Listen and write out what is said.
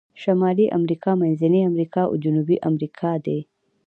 شمالي امریکا، منځنۍ امریکا او جنوبي امریکا دي.